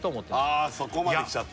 ああそこまできちゃった